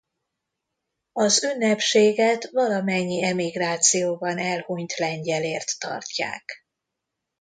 Az ünnepséget valamennyi emigrációban elhunyt lengyelért tartják.